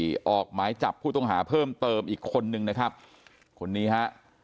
ออกหมายจับผู้ต้องหาเพิ่มเติมอีกคนนึงนะครับคนนี้ฮะ